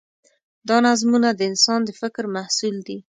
دا نظمونه د انسان د فکر محصول دي.